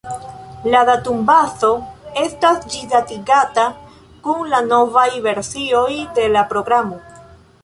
La datumbazo estas ĝisdatigata kun la novaj versioj de la programo.